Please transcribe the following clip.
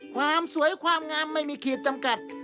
ความสวยความงามไม่มีขีดจำกัด